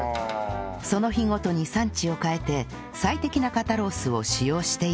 その日ごとに産地を変えて最適な肩ロースを使用しているんです